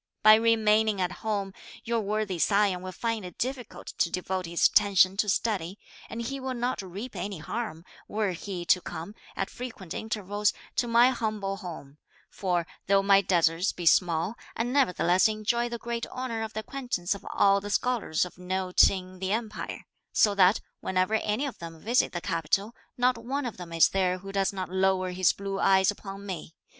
By remaining at home, your worthy scion will find it difficult to devote his attention to study; and he will not reap any harm, were he to come, at frequent intervals, to my humble home; for though my deserts be small, I nevertheless enjoy the great honour of the acquaintance of all the scholars of note in the Empire, so that, whenever any of them visit the capital, not one of them is there who does not lower his blue eyes upon me.